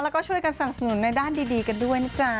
แล้วก็ช่วยกันสนับสนุนในด้านดีกันด้วยนะจ๊ะ